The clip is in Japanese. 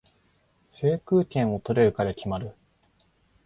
制空権を取れるかで決まる